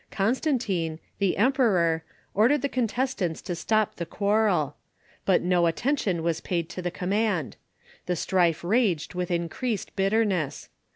Constantine, the em peror, ordered the contestants to stop the quarrel. But no attention Avas paid to the command. The strife raged with increased bitterness.